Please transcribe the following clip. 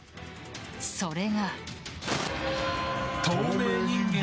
それが。